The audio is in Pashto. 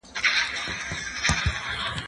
زه مخکي لوبه کړې وه؟